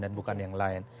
dan bukan yang lain